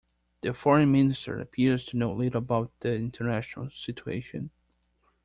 The foreign minister appears to know little about the international situation.